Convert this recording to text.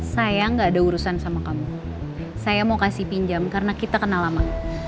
saya mau kasih pinjam karena kita kena lama